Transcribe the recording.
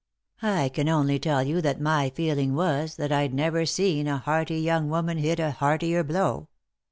I can only tell you that my feeling was that I'd never seen a hearty young woman hit a heartier blow.